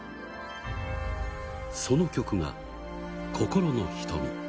その曲が、心の瞳。